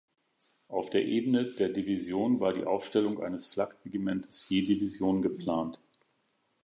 Auf der Ebene der Division war die Aufstellung eines Flak-Regimentes je Division geplant.